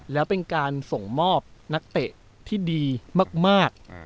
แล้วเป็นการส่งมอบนักเตะที่ดีมาก